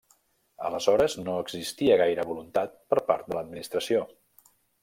Aleshores, no existia gaire voluntat per part de l'administració.